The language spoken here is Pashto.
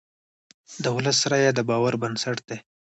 د ولس رایه د باور بنسټ دی.